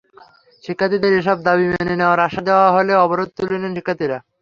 শিক্ষার্থীদের এসব দাবি মেনে নেওয়ার আশ্বাস দেওয়া হলে অবরোধ তুলে নেন শিক্ষার্থীরা।